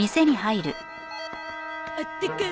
あったかい。